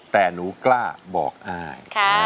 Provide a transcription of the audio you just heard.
แต่หนูกล้าบอกอาย